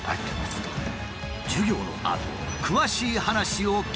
授業のあと詳しい話を聞くことに。